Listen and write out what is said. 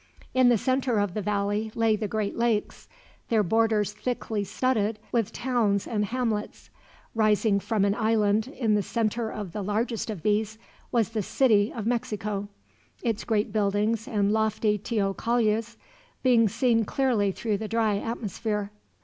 In the center of the valley lay the great lakes, their borders thickly studded with towns and hamlets. Rising from an island, in the center of the largest of these, was the city of Mexico; its great buildings and lofty teocallis being seen clearly through the dry atmosphere.